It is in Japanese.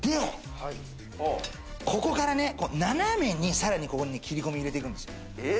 で、ここからね、斜めに、さらに切り込みを入れていくんですよ。